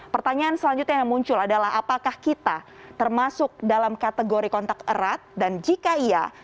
pertanyaan selanjutnya yang muncul adalah apakah kita termasuk dalam kategori kontak erat dan jika iya